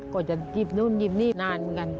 ก็จะหยิบนู่นหยิบนี่นานเหมือนกัน